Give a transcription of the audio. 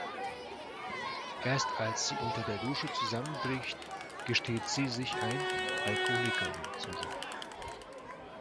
Erst als sie unter der Dusche zusammenbricht, gesteht sie sich ein, Alkoholikerin zu sein.